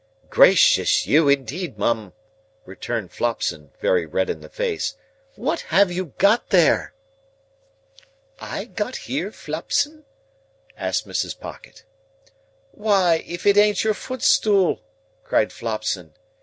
"Gracious you, indeed, Mum!" returned Flopson, very red in the face; "what have you got there?" "I got here, Flopson?" asked Mrs. Pocket. "Why, if it ain't your footstool!" cried Flopson.